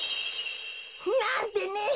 なんてね！